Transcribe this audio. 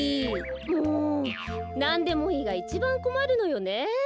もう「なんでもいい」がいちばんこまるのよね。